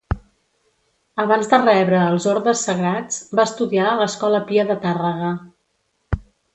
Abans de rebre els ordes sagrats va estudiar a l'Escola Pia de Tàrrega.